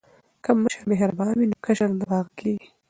که مشر مهربان وي نو کشر نه باغی کیږي.